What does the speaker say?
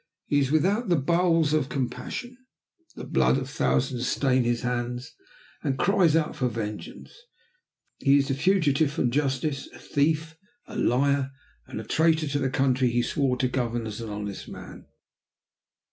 He is without bowels of compassion; the blood of thousands stains his hands and cries aloud for vengeance. He is a fugitive from justice, a thief, a liar, and a traitor to the country he swore to govern as an honest man.